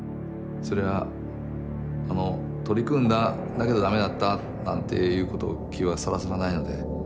それは「取り組んだだけどだめだった」なんて言う気はさらさらないので。